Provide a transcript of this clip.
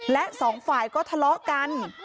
และสองฝ่ายก็ทะเลาะกัน